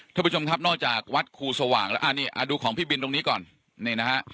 ท่านผู้ชมครับนอกจากวัดครูสว่างดูของพี่บินตรงนี้ก่อน